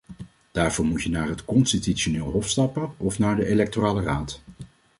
Daarvoor moet je naar het constitutioneel hof stappen of naar de electorale raad.